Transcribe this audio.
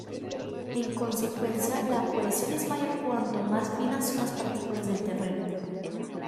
En consecuencia, la cohesión es mayor cuanto más finas son las partículas del terreno.